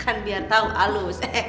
kan biar tau alus